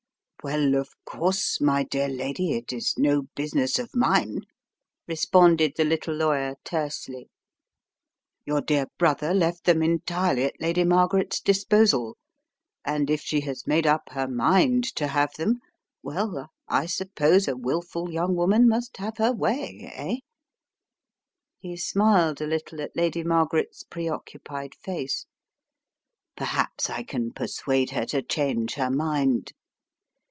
"Well, of course, my dear lady, it is no business of mine," responded the little lawyer tersely. "Your dear brother left them entirely at Lady Margaret's disposal, and if she has made up her mind to have them, well, I suppose a wilful young woman must have her way, eh?" he smiled a little at Lady Margaret's preoccupied face. "Perhaps I can persuade her to change her mind."